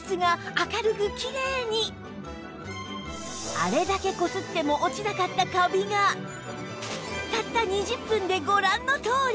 あれだけこすっても落ちなかったカビがたった２０分でご覧のとおり！